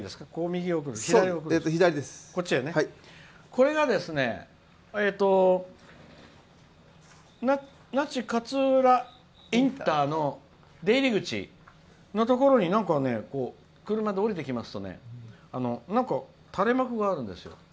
これが那智勝浦インターの出入り口のところに車で下りてきますとね垂れ幕があるんですよ。